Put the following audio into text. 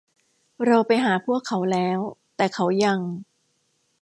เราไปหาพวกเขาแล้ว แต่เขายัง